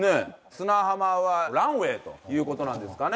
砂浜はランウェイという事なんですかね